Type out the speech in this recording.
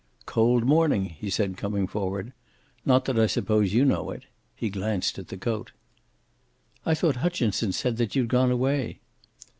"Cold morning," he said, coming forward. "Not that I suppose you know it." He glanced at the coat. "I thought Hutchinson said that you'd gone away."